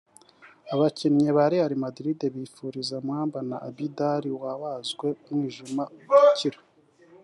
Abakinnyi ba Real Madrid bifuriza Muamba na Abidal wabazwe umwijima gukira